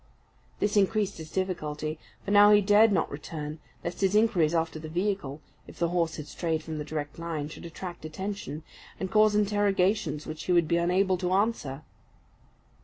This increased his difficulty; for now he dared not return, lest his inquiries after the vehicle, if the horse had strayed from the direct line, should attract attention, and cause interrogations which he would be unable to answer.